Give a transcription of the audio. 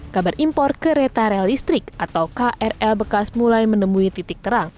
kabar impor kereta rel listrik atau krl bekas mulai menemui titik terang